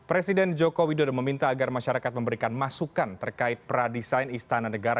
presiden joko widodo meminta agar masyarakat memberikan masukan terkait pradesain istana negara